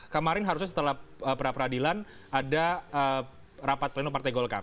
kemarin harusnya setelah pra peradilan ada rapat pleno partai golkar